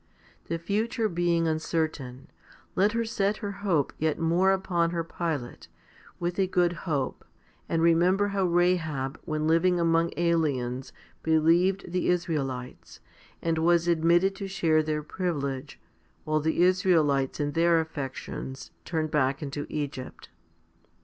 The future being uncertain, let her set her hope yet more upon her Pilot, with a good hope, and remember how Rahab, when living among aliens, believed the Israelites, 1 and was admitted to share their privilege, while the Israelites in their affections turned back into Egypt.